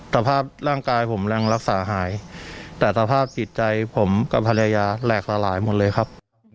สภาพร่างกายผมแรงรักษาหายแต่สภาพจิตใจผมกับภรรยาแหลกสลายหมดเลยครับ